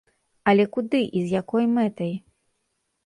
Але куды і з якой мэтай?